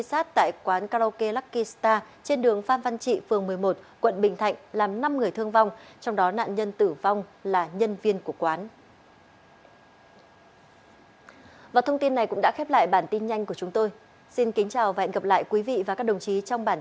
xin chào và hẹn gặp lại